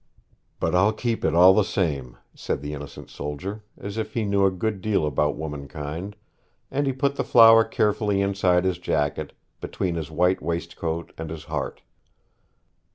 'But I'll keep it all the same,' said the innocent soldier, as if he knew a good deal about womankind; and he put the flower carefully inside his jacket, between his white waistcoat and his heart.